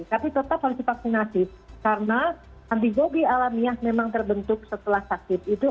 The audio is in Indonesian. tapi tetap harus divaksinasi karena antibody alamiah memang terbentuk setelah sakit itu